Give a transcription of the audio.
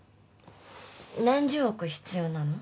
何十億必要なの？